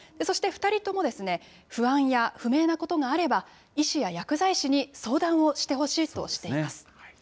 そして２人とも、不安や不明なことがあれば、医師や薬剤師に相談をしてほしいとしています。